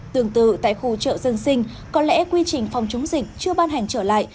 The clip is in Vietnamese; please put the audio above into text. tương tự tại khu chợ dân sinh có lẽ quy trình phòng chống dịch chưa ban hành trở lại